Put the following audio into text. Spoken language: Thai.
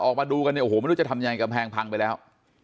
ออกมาดูกันเนี่ยโอ้โหไม่รู้จะทำยังไงกำแพงพังไปแล้ว